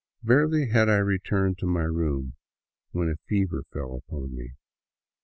Barely had I returned to my room when a fever fell upon me.